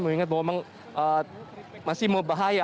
mengingat bahwa memang masih berbahaya